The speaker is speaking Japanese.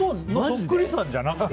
そっくりさんじゃなくて？